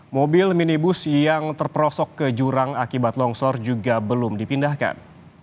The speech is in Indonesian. mobil minibus yang terperosok ke jurang akibat longsor juga belum dipindahkan